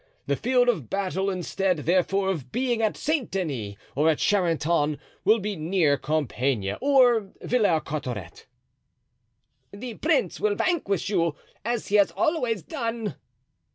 The field of battle, instead, therefore, of being at Saint Denis or at Charenton, will be near Compiegne or Villars Cotterets." "The prince will vanquish you, as he has always done."